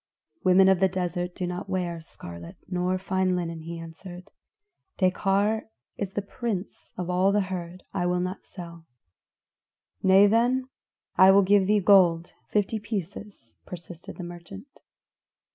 "Women of the desert do not wear scarlet nor fine linen," he answered. "Dekar is the prince of all the herd; I will not sell." "Nay then, I will give thee gold fifty pieces," persisted the merchant.